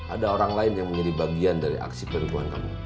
ada orang lain yang menjadi bagian dari aksi penipuan kamu